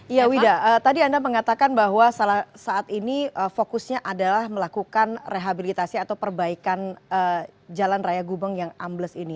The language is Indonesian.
iya wida tadi anda mengatakan bahwa saat ini fokusnya adalah melakukan rehabilitasi atau perbaikan jalan raya gubeng yang ambles ini